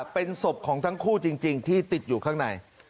เป็นศพของทั้งคู่จริงที่ติดอยู่ข้างใน